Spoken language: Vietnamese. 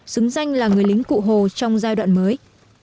xứng danh là người lính cụ hồ trong giai đoạn mới